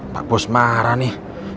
pak bos marah nih